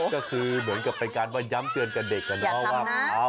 ก็คือเหมือนกับเป็นการว่าย้ำเตือนกับเด็กอะเนาะว่า